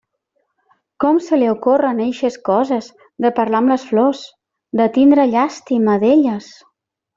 Com se li ocorren eixes coses de parlar amb les flors, de tindre llàstima d'elles?